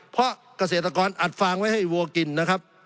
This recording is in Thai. เพราะเกษตรกรอัดฟางไว้ให้วัวกินนะครับ